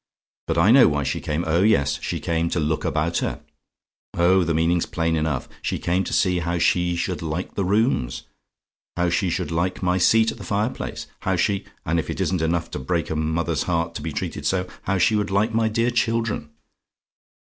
But I know why she came. Oh yes; she came to look about her. "Oh, the meaning's plain enough. She came to see how she should like the rooms how she should like my seat at the fireplace; how she and if it isn't enough to break a mother's heart to be treated so! how she should like my dear children.